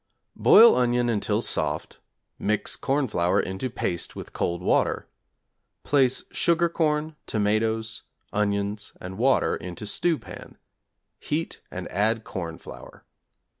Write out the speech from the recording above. Boil onion until soft; mix corn flour into paste with cold water. Place sugar corn, tomatoes, onions, and water into stew pan; heat and add corn flour.